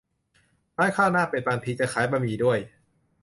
ร้านข้าวหน้าเป็ด บางทีจะขายบะหมี่ด้วย